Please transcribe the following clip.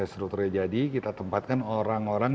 strukturnya jadi kita tempatkan orang orang